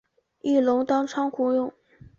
一楼当仓库用